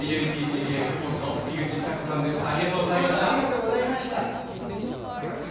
ＪＬＰＧＡ顧問の樋口久子さんでした。